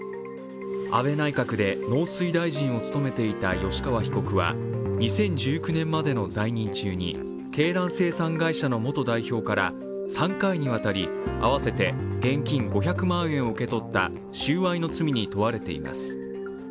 安倍内閣で農水大臣を務めていた吉川被告は２０１９年までの在任中に鶏卵生産会社の元代表から３回にわたり合わせて現金５００万円を受け取った収賄の罪に問われています。